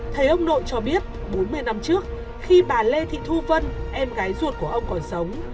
thấy ông nội cho biết bốn mươi năm trước khi bà lê thị thu vân em gái ruột của ông còn sống